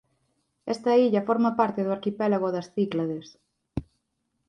Esta illa forma parte do arquipélago das Cíclades.